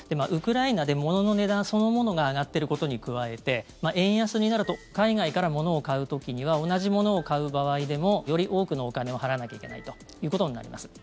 ウクライナで物の値段そのものが上がってることに加えて円安になると海外から物を買う時には同じものを買う場合でもより多くのお金を払わなきゃいけないということになります。